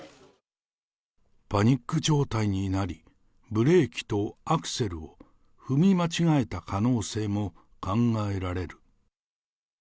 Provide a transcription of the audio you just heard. パニック状態になり、ブレーキとアクセルを踏み間違えた可能性も考えられる。